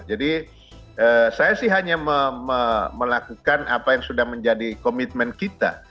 jadi saya sih hanya melakukan apa yang sudah menjadi komitmen kita